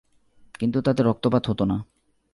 কিন্তু তাতে রক্তপাত হতো না।